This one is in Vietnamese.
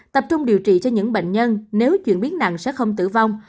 tập trung điều trị cho những bệnh nhân nếu chuyển biến nặng sẽ không tử vong